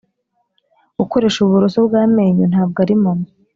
ukoresha ubu buroso bw'amenyo ntabwo ari mama.